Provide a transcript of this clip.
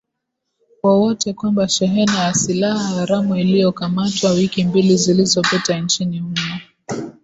wowote kwamba shehena ya silaha haramu iliokamatwa wiki mbili zilizopita nchini humo